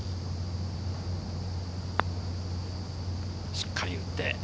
しっかり打って。